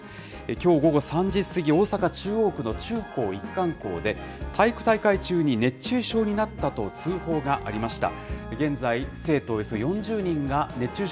きょう午後３時過ぎ、大阪・中央区の中高一貫校で、体育大会中に熱中症になったと通報がありました。